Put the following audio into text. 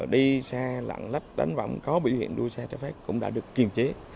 đi xe lặng lách đánh vọng có biểu hiện đua xe trái phép cũng đã được kiềm chế